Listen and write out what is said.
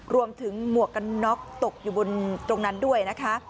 หมวกกันน็อกตกอยู่บนตรงนั้นด้วยนะคะ